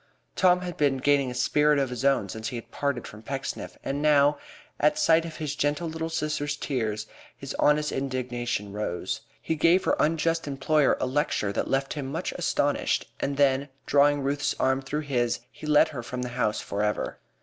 Tom had been gaining a spirit of his own since he had parted from Pecksniff, and, now, at sight of his gentle little sister's tears, his honest indignation rose. He gave her unjust employer a lecture that left him much astonished, and then, drawing Ruth's arm through his, he led her from the house for ever.